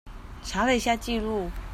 查了一下記錄